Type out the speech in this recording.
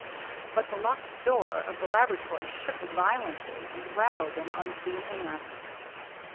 But the locked door of the laboratory shook vio lently, and rattled in unseen hands.